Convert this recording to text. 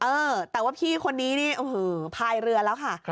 เออแต่ว่าพี่คนนี้นี่พายเรือแล้วค่ะ